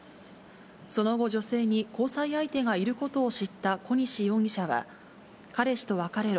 その後、女性に交際相手がいることを知った小西容疑者は、彼氏と別れろ。